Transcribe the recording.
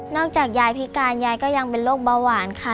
จากยายพิการยายก็ยังเป็นโรคเบาหวานค่ะ